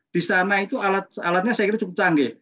di sana itu alatnya cukup canggih